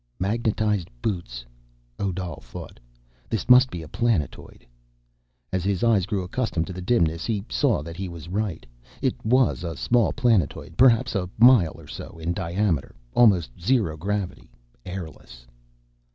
Magnetized boots, Odal thought. This must be a planetoid. As his eyes grew accustomed to the dimness, he saw that he was right. It was a small planetoid, perhaps a mile or so in diameter. Almost zero gravity. Airless.